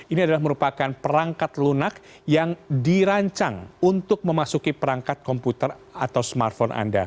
ini adalah merupakan perangkat lunak yang dirancang untuk memasuki perangkat komputer atau smartphone anda